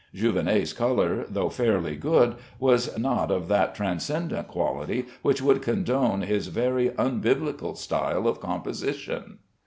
Jouvenet's color, though fairly good, was not of that transcendent quality which would condone his very unbiblical style of composition.